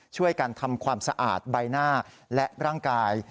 ช่วยกันทำความสะอาดใบหน้าและร่างกาย